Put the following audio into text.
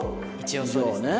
一応そうですね。